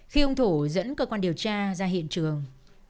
khi ông thủ dẫn cơ quan điều tra ra hiện trường